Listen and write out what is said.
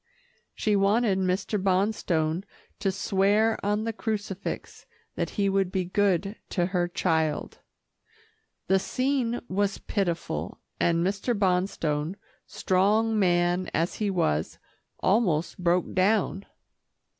She wanted Mr. Bonstone to swear on the crucifix that he would be good to her child. The scene was pitiful, and Mr. Bonstone, strong man as he was, almost broke down.